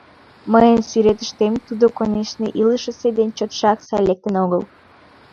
Мыйын сӱретыштем тудо, конешне, илышысе деч чотшак сай лектын огыл.